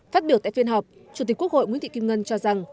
phát biểu tại phiên họp chủ tịch quốc hội nguyễn thị kim ngân cho rằng